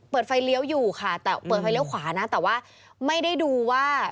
เปิดไฟเลี้ยวอยู่ค่ะแต่เปิดไฟเลี้ยวขวานะแต่ว่าไม่ได้ดูว่า